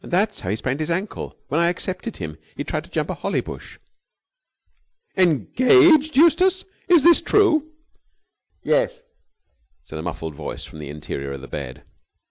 That's how he sprained his ankle. When I accepted him, he tried to jump a holly bush." "Engaged! Eustace, is this true?" "Yes," said a muffled voice from the interior of the bed.